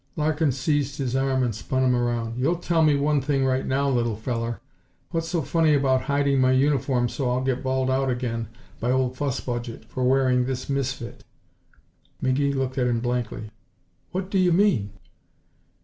Larkin seized his arm and spun him around. "You'll tell me one thing right now, little feller! What's so funny about hiding my uniform so I'll get bawled out again by Old Fuss Budget for wearing this misfit?" McGee looked at him blankly. "What do you mean?"